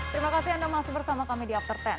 terima kasih anda masih bersama kami di after sepuluh